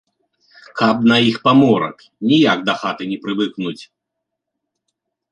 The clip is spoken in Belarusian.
Каб на іх паморак, ніяк да хаты не прывыкнуць.